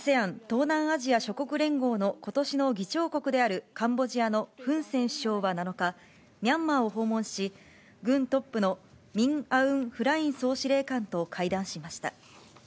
ＡＳＥＡＮ・東南アジア諸国連合のことしの議長国であるカンボジアのフン・セン首相は７日、ミャンマーを訪問し、軍トップのミン・アウン・フライン総司令官と会談しました。